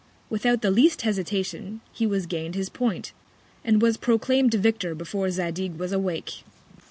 Without the least Hesitation, he gain'd his Point, and was proclaim'd Victor before Zadig was awake.